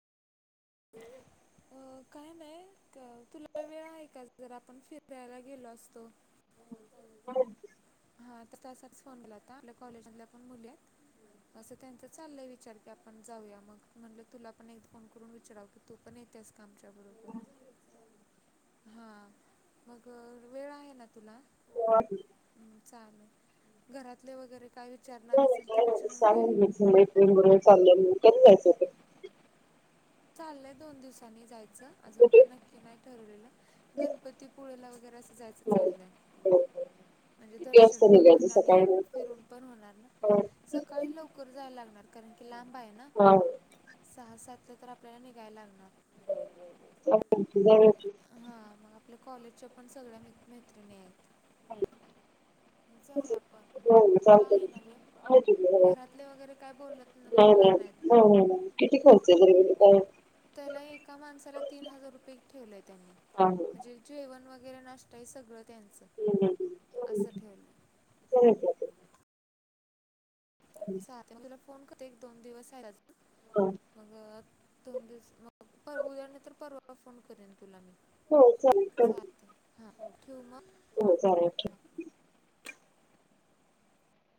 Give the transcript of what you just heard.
अ काय नाही क तुला वेळ हाय का? जर आपण फिरायला गेलो असतो. [inaudible] हा त त्यासाठीच फोन ला होता आपल्या कॉलेज मधल्या पण मुली आहेत असं त्यांच चाललंय विचार की आपण जाऊया मग म्हणलं तुला पण एक फोन करून वि चारव की तू पण येतेस का आमच्या बरोबर? हा मग वेळ आहे ना तुला? हो [unintelligible] चालंल घरातले वगैरे काही वी नाही - नाही काय नाही सांगुन द्यायचं मैत्रीणीबरोबर चालले मी. कधी जायचं होतं? चाललंय दोन दिवसांनी जाय च अजून का कुठे? नक्की नाही ठरवलेलं गणपतीपुळेला वगैरे असं जायचं चाललंय, म्हणजे किती दर्शन वाजता पण निघायचं होणार णि सकाळी फिरून पण होणार ना हा सकाळी लवकर जाया लागणार. कारण कि ला़ंब होय सहा सात त-तर आप गळ्यांनी गाये लागणार. बरोबर. [inaudible] हा मग आपल्या कॉलेजच्या पण सगळ्या मीत मैत्रिणी आहेत. हॅलो जाऊया आपण तुला आहे की. ना वेळ? आहे की हो. घरातले वगैरे काय बोलत न - नाही नाही बोलणार नाहीत ना? नाही नाही नाही किती खर्च येईल काय त्याला एका माणसाला तीन हजार रुपये ठेवलेय त्यांनी हा हा. म्हणजे जेवण वग वीरनष्टय सगळं. त्यांच हम्म हम्म असं [unintelligible] चाल [unintelligible] तुला फोन कर ते एक दोन दिवस आहेत अजून हा मगं दोन दिवस मग पर उद्या नाहीतर परवा फोन करेन. तुला मी. हो चालेल [unintelligible] चालतंय हां ठीव मग हो चालेल ठेव. हं [unintelligible]